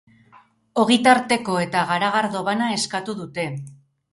Ogitarteko eta garagardo bana eskatu dute.